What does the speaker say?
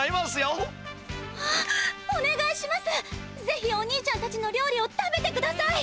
ぜひお兄ちゃんたちの料理を食べてください！